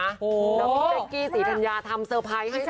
แล้วพี่เป๊กกี้ศรีธัญญาทำเซอร์ไพรส์ให้